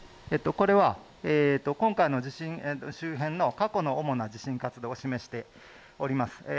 これは、今回の地震、周辺の過去の主な地震活動を示しております。